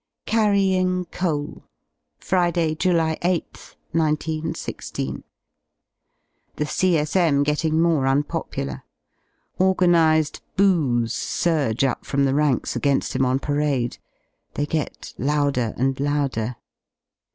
CARRYING COAL Friday, July 8th, 1 916. The C.S.M. getting more unpopular. Organised "Boo*s" surge up from the ranks again^ him on parade; they get louder and louder.